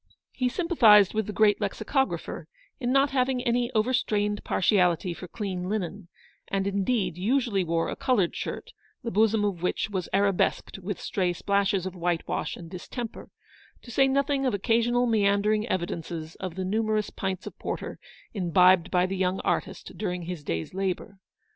He sympathised with the great lexicographer in not having any overstrained partiality for clean linen, and, indeed, usually wore a coloured shirt, the bosom of which was arabesqued with stray splashes of whitewash and distemper, to say nothing of occasional meander ing evidences of the numerous pints of porter imbibed by the young artist during his day's labour.